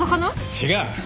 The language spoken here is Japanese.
違う！